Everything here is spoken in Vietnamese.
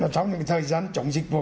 sau những cái thời gian chống dịch vụ